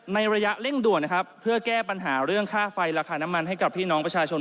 ระยะเร่งด่วนนะครับเพื่อแก้ปัญหาเรื่องค่าไฟราคาน้ำมันให้กับพี่น้องประชาชน